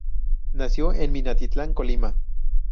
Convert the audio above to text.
Nació en Minatitlán, Colima.